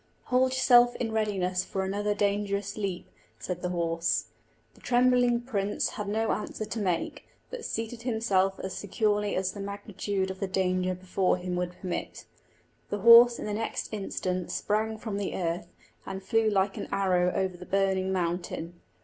"Hold yourself in readiness for another dangerous leap," said the horse. The trembling prince had no answer to make, but seated himself as securely as the magnitude of the danger before him would permit. The horse in the next instant sprang from the earth, and flew like an arrow over the burning mountain.